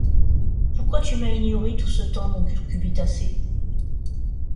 Pourquoi tu m’as ignoré tout ce temps mon cucurbitacée ?